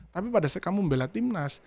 tapi pada saat kamu membela timnas